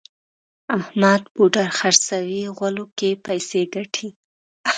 احمد پوډر خرڅوي غولو کې پیسې ګټي.